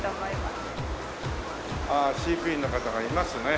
ああ飼育員の方がいますね。